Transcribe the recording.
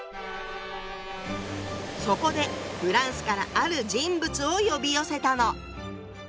そこでフランスからある人物を呼び寄せたの。